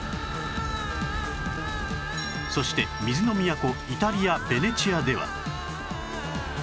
そして水の都イタリアベネチアでは